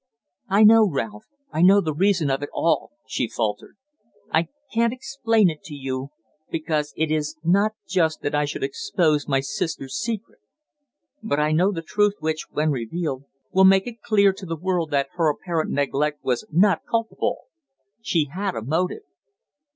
"I know, Ralph I know the reason of it all," she faltered. "I can't explain to you, because it is not just that I should expose my sister's secret. But I know the truth which, when revealed, will make it clear to the world that her apparent neglect was not culpable. She had a motive."